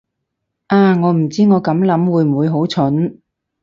啊，我唔知我咁諗會唔會好蠢